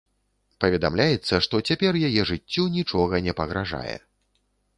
Паведамляецца, што цяпер яе жыццю нічога не пагражае.